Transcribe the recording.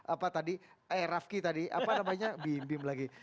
apa tadi eh raffki tadi apa namanya bim bim lagi